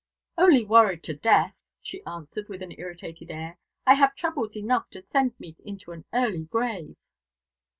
"Only worried to death," she answered, with an irritated air. "I have troubles enough to send me into an early grave."